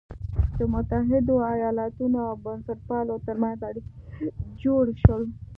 د متحدو ایالتونو او بنسټپالو تر منځ اړیکي جوړ شول.